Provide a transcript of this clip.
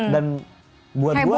dan buat gue